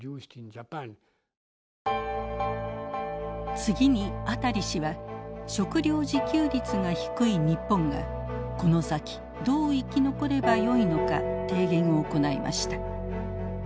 次にアタリ氏は食料自給率が低い日本がこの先どう生き残ればよいのか提言を行いました。